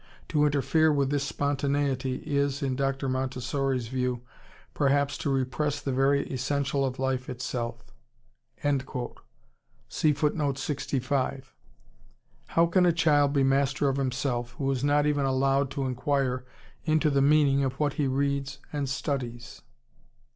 To interfere with this spontaneity is, in Dr. Montessori's view, perhaps to repress the very essential of life itself." How can a child be master of himself who is not even allowed to inquire into the meaning of what he reads and studies?